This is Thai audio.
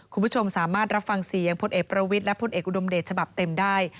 คุณผู้ชมสามารถรับฟังเสียงพลเอกประวิทย์และพลเอกอุดมเดชฉบับเต็มได้